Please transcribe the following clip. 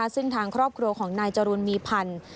ซึ่งทางครอบครัวของนายจรูลมีพันธ์